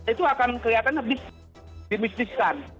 itu akan kelihatan lebih dimisdiskan